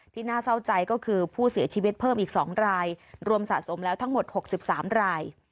น่าเศร้าใจก็คือผู้เสียชีวิตเพิ่มอีก๒รายรวมสะสมแล้วทั้งหมด๖๓ราย